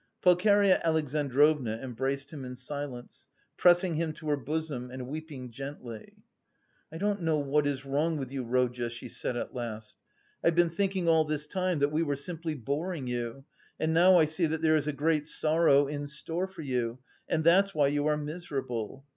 Pulcheria Alexandrovna embraced him in silence, pressing him to her bosom and weeping gently. "I don't know what is wrong with you, Rodya," she said at last. "I've been thinking all this time that we were simply boring you and now I see that there is a great sorrow in store for you, and that's why you are miserable.